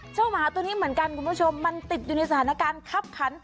หมาตัวนี้เหมือนกันคุณผู้ชมมันติดอยู่ในสถานการณ์คับขัน